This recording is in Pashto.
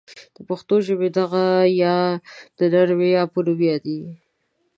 د پښتو ژبې دغه یا ی د نرمې یا په نوم یادیږي.